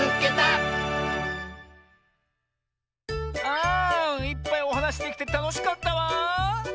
あいっぱいおはなしできてたのしかったわ。